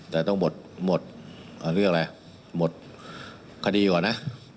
แต่ต้องหมดคดีก่อนนะ